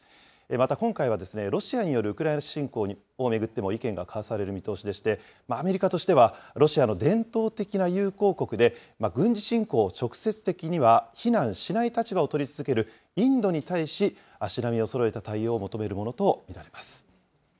また今回は、ロシアによるウクライナ侵攻を巡っても、意見が交わされる見通しでして、アメリカとしては、ロシアの伝統的な友好国で軍事侵攻を直接的には非難しない立場を取り続けるインドに対し、足並みをそろえた対応を求めるものと見られます。